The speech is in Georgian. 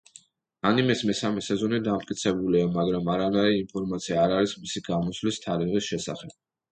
ანიმეს მესამე სეზონი დამტკიცებულია, მაგრამ არანაირი ინფორმაცია არ არის მისი გამოსვლის თარიღის შესახებ.